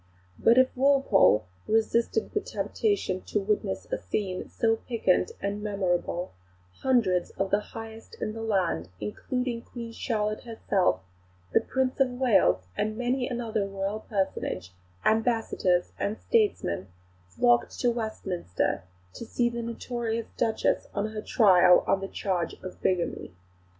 But if Walpole resisted the temptation to witness a scene so piquant and remarkable, hundreds of the highest in the land, including Queen Charlotte herself, the Prince of Wales and many another Royal personage, ambassadors and statesmen, flocked to Westminster to see the notorious Duchess on her trial on the charge of bigamy.